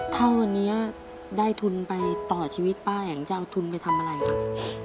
ถ้าวันนี้ได้ทุนไปต่อชีวิตป้าแหงจะเอาทุนไปทำอะไรครับ